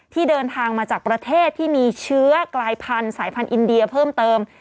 เดินทางมาจากประเทศที่มีเชื้อกลายพันธุ์สายพันธุอินเดียเพิ่มเติม